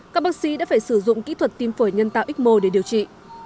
các bác sĩ đã phải sử dụng kỹ thuật tiêm phổi nhân tạo xmo để điều trị